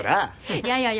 いやいやいや。